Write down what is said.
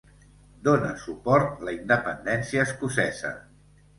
Dóna suport la independència escocesa.